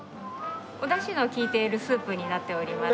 おだしの利いているスープになっておりますね。